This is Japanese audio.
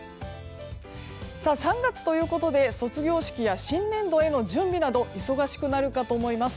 ３月ということで卒業式や新年度への準備など忙しくなるかと思います。